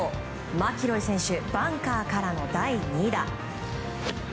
マキロイ選手バンカーからの第２打。